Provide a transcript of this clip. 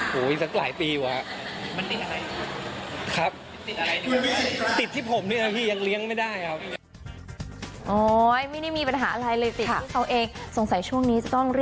หล่าแดดดี้